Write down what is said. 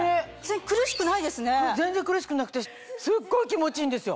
全然苦しくなくてすっごい気持ちいいんですよ。